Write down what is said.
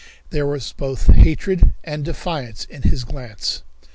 There were both hatred and defiance in his glance.